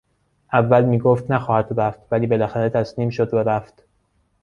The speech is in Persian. اول میگفت نخواهد رفت ولی بالاخره تسلیم شد و رفت.